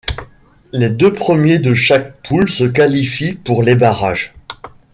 Les deux premiers de chaque poule se qualifient pour les barrages.